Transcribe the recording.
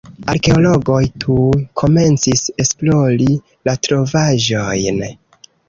Arkeologoj tuj komencis esplori la trovaĵojn.